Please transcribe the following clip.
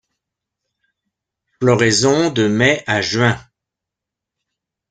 Floraison de mai à juin.